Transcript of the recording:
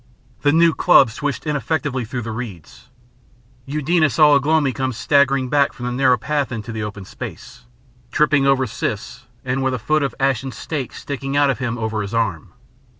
The new club swished ineffectually through the reeds. Eudena saw Ugh lomi come staggering back from the narrow path into the open space, tripping over Siss and with a foot of ashen stake sticking out of him over his arm.